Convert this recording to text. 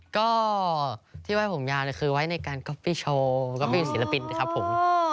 ก็ที่ไว้ผมยาวคือไว้ในการก๊อฟฟี่โชว์ก๊อฟฟี่ศิลปินนะครับผม